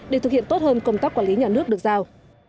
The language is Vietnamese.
để thực hiện tốt hơn công tác quản lý nhà nước được giao